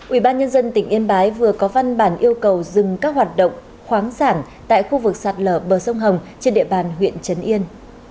ủy ban nhân dân tỉnh yên bái vừa có văn bản yêu cầu dừng các hoạt động khoáng sản tại khu vực sạt lở bờ sông hồng trên địa bàn huyện trấn yên